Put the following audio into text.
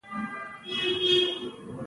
خوړل پر وخت انسان روغ ساتي